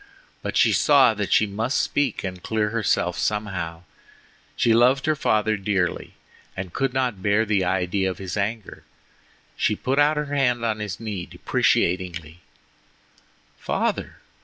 But she saw that she must speak and clear herself somehow. She loved her father dearly, and could not bear the idea of his anger. She put out her hand on his knee deprecatingly: "Father!